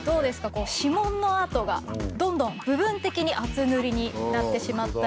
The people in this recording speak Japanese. こう指紋のあとがどんどん部分的に厚塗りになってしまったり。